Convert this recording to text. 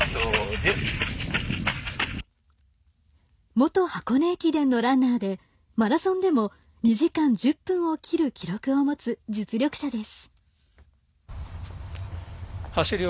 元箱根駅伝のランナーでマラソンでも２時間１０分を切る記録を持つ実力者です。